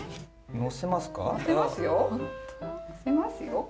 載せますよ。